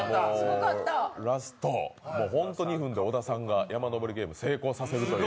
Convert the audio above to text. ラスト、ほんと２分で小田さんが「山のぼりゲーム」成功させるという。